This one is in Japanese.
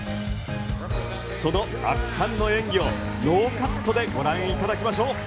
その圧巻の演技をノーカットでご覧いただきましょう。